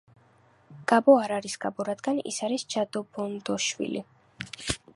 გაბო არ არის გაბო, რადგან ის არის ჯონდობონდოშვილი